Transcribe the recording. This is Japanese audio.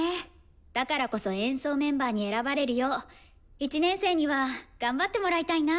だからこそ演奏メンバーに選ばれるよう１年生には頑張ってもらいたいな。